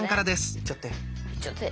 いっちゃって。